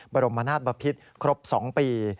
บรมนาศบพิษครบ๒ปี